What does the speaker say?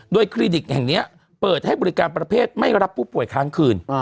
โดยคลินิกแห่งนี้เปิดให้บริการประเภทไม่รับผู้ป่วยค้างคืน